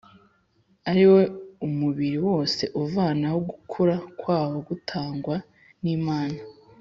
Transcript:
ari wo umubiri wose uvanaho gukura kwawo gutangwa n’Imana